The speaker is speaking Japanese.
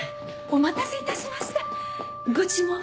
お待たせいたしましたご注文は？